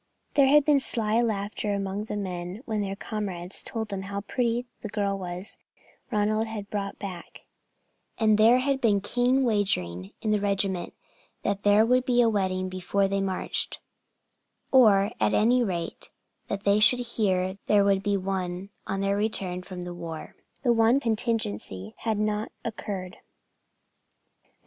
There had been sly laughter among the men when their comrades told them how pretty was the girl Ronald had brought back; and there had been keen wagering in the regiment that there would be a wedding before they marched, or at any rate that they should hear there would be one on their return from the war. The one contingency had not occurred.